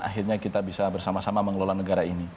akhirnya kita bisa bersama sama mengelola negara ini